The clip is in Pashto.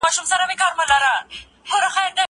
زه به سبا ته فکر وکړم!؟